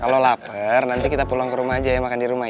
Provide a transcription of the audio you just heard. kalo lapar nanti kita pulang ke rumah aja ya makan dirumah ya